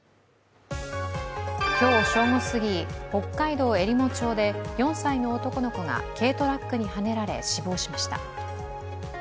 今日正午すぎ、北海道えりも町で４歳の男の子が軽トラックにはねられ、死亡しました。